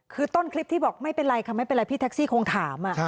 คือต้นคลิปที่บอกไม่เป็นไรค่ะไม่เป็นไรพี่แท็กซี่คงถาม